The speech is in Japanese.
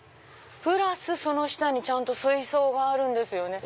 プラスその下にちゃんと水槽があるんですよね。